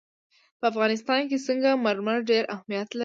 په افغانستان کې سنگ مرمر ډېر اهمیت لري.